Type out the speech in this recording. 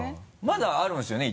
まだあるんですよね？